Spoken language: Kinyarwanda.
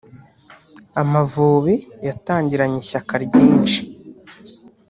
Amavubi yatangiranye ishyaka ryinshi